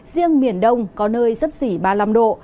riêng miền đông có nơi sấp xỉ ba mươi năm độ